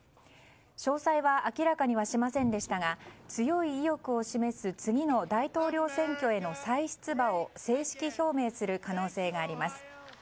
詳細は明らかにはしませんでしたが強い意欲を示す次の大統領選挙への再出馬を正式表明する可能性があります。